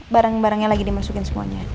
barang barangnya lagi dimasukin semuanya